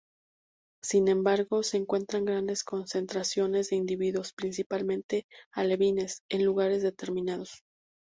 Sin embargo, se encuentran grandes concentraciones de individuos, principalmente alevines, en lugares determinados.